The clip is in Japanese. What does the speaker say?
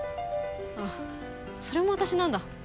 ああそれも私なんだ。